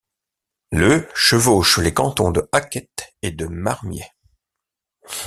Le chevauche les canton de Hackett et de Marmier.